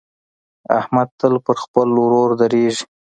احمد تل پر خپل ورور درېږي.